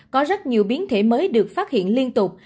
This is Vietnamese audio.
có rất nhiều biến thể mới được phát hiện liên tục